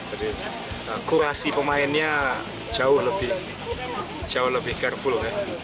jadi kurasi pemainnya jauh lebih gede